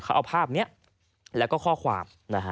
เขาเอาภาพนี้แล้วก็ข้อความ